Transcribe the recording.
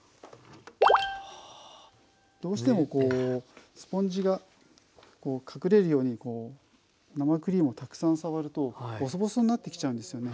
どうしてもスポンジが隠れるように生クリームをたくさん触るとボソボソになってきちゃうんですよね。